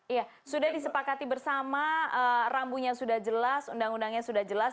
iya sudah disepakati bersama rambunya sudah jelas undang undangnya sudah jelas